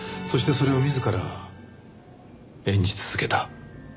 そしてそれを自ら演じ続けた。